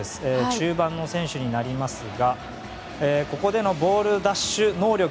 中盤の選手になりますがここでのボール奪取能力。